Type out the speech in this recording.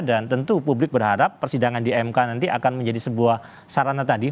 dan tentu publik berharap persidangan di mk nanti akan menjadi sebuah sarana tadi